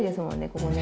ここね。